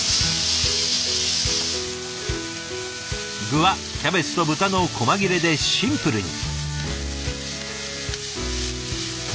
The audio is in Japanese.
具はキャベツと豚のこま切れでシンプルに。